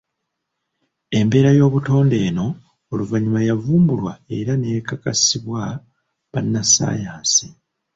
Embeera y'obutonde eno oluvannyuma yavumbulwa era n'ekakasibwa bannasayansi.